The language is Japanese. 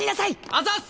あざっす！